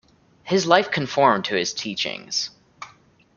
His life conformed to his teachings.